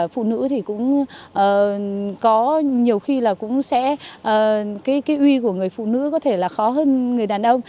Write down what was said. phụ nữ thì cũng có nhiều khi là cũng sẽ cái uy của người phụ nữ có thể là khó hơn người đàn ông